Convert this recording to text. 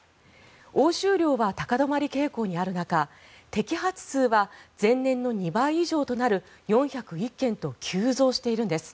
押収量は高止まり傾向にある中摘発数は、前年の２倍以上となる４０１件と急増しているんです。